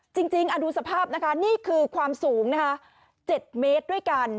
จริงดูสภาพนะคะนี่คือความสูงนะคะ๗เมตรด้วยกัน